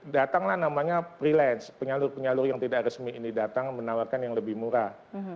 datanglah namanya freelance penyalur penyalur yang tidak resmi ini datang menawarkan yang lebih murah